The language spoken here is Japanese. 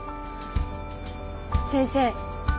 先生